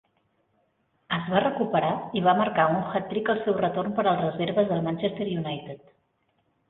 Es va recuperar i va marcar un hat-trick al seu retorn per als reserves del Manchester United.